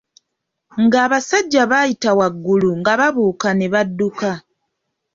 Ng'abasajja bayita waggulu nga babuuka ne badduka.